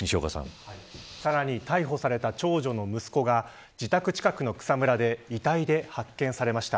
さらに逮捕された長女の息子が自宅近くの草むらで遺体で発見されました。